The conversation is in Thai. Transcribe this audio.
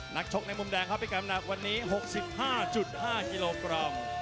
ชกในมุมแดงครับพิกรรมหนักวันนี้๖๕๕กิโลกรัม